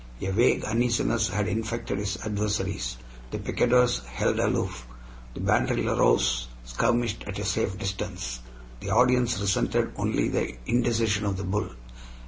A vague uneasiness had infected his adversaries; the picadors held aloof, the banderilleros skirmished at a safe distance. The audience resented only the indecision of the bull.